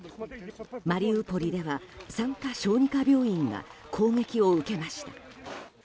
マリウポリでは産科・小児科病院が攻撃を受けました。